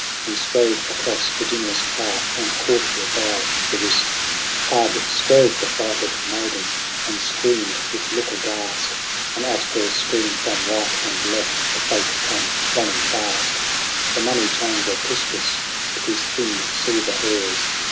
And strode across Virginia's path, and caught her by the wrist. VIKGINIA. 161 Hard strove the frighted maiden, and screamed with look aghast ; And at her scream from right and left the folk came running fast ; The money changer Crispus, with his thin silver hairs.